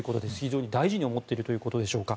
非常に大事に思っているということでしょうか。